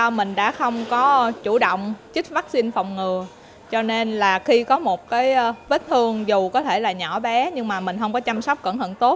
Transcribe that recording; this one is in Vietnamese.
do mình đã không có chủ động chích vaccine phòng ngừa cho nên là khi có một cái vết thương dù có thể là nhỏ bé nhưng mà mình không có chăm sóc cẩn thận tốt